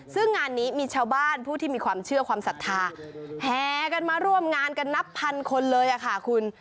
ซึ่งงานนี้มีชาวบ้านผู้ที่มีความเชื่อความศรัทธาแหกันมาร่วมงานกันนับพันคนเลยค่ะคุณ